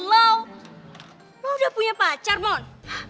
lo udah punya pacar mohon